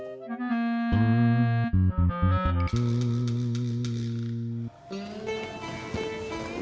jangan lupa subscribe channel ini